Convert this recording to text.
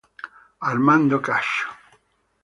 Armando Cascio